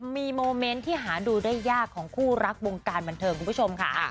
มีโมเมนต์ที่หาดูได้ยากของคู่รักวงการบันเทิงคุณผู้ชมค่ะ